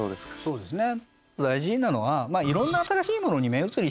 そうですね。